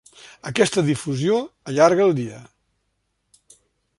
Aquesta difusió allarga el dia.